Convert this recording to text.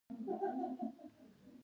پانګوال د دې حالت څخه د وتلو هڅه کوي